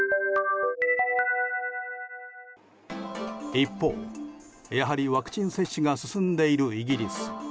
一方、やはりワクチン接種が進んでいるイギリス。